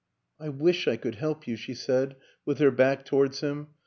" I wish I could help you," she said with her back towards him.